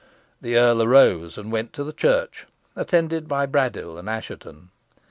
The earl arose and went to the church attended by Braddyll and Assheton.